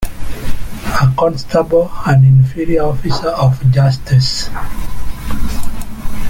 A constable an inferior officer of justice.